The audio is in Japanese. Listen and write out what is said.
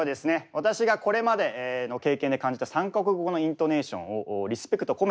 私がこれまでの経験で感じた３か国語のイントネーションをリスペクトを込めてですね